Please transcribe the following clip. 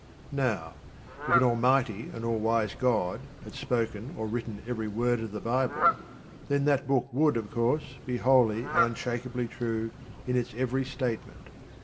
Now, if an almighty and all wise God had spoken or written every word of the Bible, then that book would, of course, be wholly and unshakably true in its every statement.